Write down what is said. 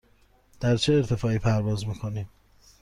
در چه ارتفاعی پرواز می کنیم؟